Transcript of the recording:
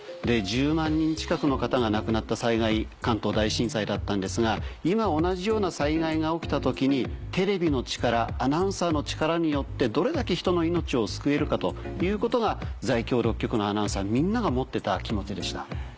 １０万人近くの方が亡くなった災害関東大震災だったんですが今同じような災害が起きた時にテレビの力アナウンサーの力によってどれだけ人の命を救えるかということが在京６局のアナウンサーみんなが持ってた気持ちでした。